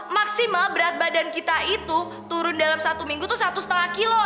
maksimal berat badan kita itu turun dalam satu minggu itu satu lima kilo